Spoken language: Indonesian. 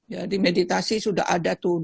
jadi meditasi sudah ada tuh